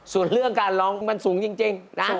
ส่วนเรื่องการร้องมันสูงจริงนะ